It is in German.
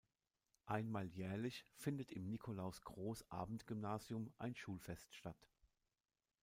Einmal jährlich findet im Nikolaus Groß Abendgymnasium ein Schulfest statt.